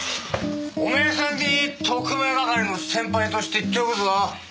お前さんに特命係の先輩として言っておくぞ。